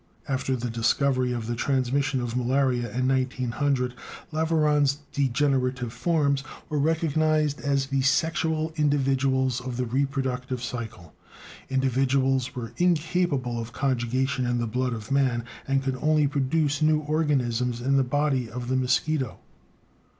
After the discovery of the transmission of malaria in 1900, Laveran's "degenerative forms" were recognized as the sexual individuals of the reproductive cycle: individuals which were incapable of conjugation in the blood of man, and could only produce new organisms in the body of the mosquito.